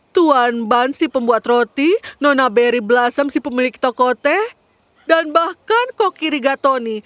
tuan bun si pembuat roti nona berry blasem si pemilik tokote dan bahkan koki rigatoni